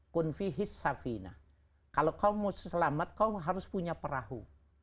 kalau kamu mau selamat kamu harus punya perahu